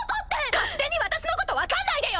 勝手に私のこと分かんないでよ！